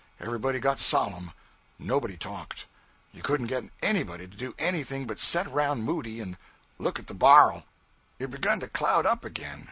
Everybody got solemn; nobody talked; you couldn't get anybody to do anything but set around moody and look at the bar'l. It begun to cloud up again.